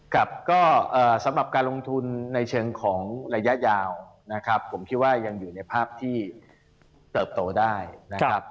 ครับก็สำหรับการลงทุนในเชิงของระยะยาวนะครับผมคิดว่ายังอยู่ในภาพที่เติบโตได้นะครับ